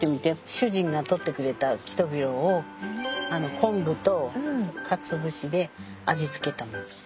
主人が採ってくれたキトビロを昆布とカツオ節で味付けたもの。